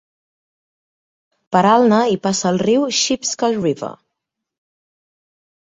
Per Alna hi passa el riu Sheepscot River.